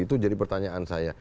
itu jadi pertanyaan saya